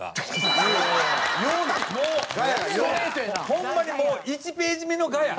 ホンマにもう１ページ目のガヤ。